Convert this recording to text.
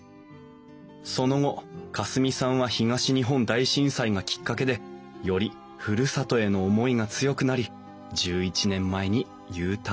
その後夏澄さんは東日本大震災がきっかけでよりふるさとへの思いが強くなり１１年前にＵターン。